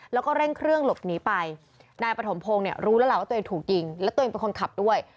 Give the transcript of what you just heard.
แล้วก็เร่งเครื่องหลบหนีไปนายปฐมพงศ์เนี่ยรู้แล้วล่ะว่าตัวเองถูกยิงและตัวเองเป็นคนขับด้วย